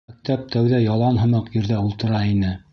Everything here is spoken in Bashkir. Мәктәп тәүҙә ялан һымаҡ ерҙә ултыра ине.